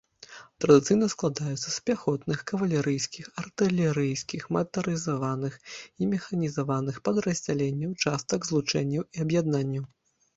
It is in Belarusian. Традыцыйна складаюцца з пяхотных, кавалерыйскіх, артылерыйскіх, матарызаваных і механізаваных падраздзяленняў, частак, злучэнняў і аб'яднанняў.